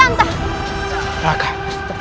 kalian telah datang